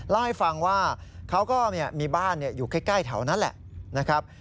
เล่าให้ฟังว่าเขาก็มีบ้านอยู่ใกล้แถวนั้นแหละนะครับ